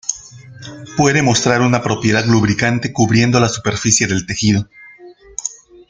Puede mostrar una propiedad lubricante cubriendo la superficie del tejido.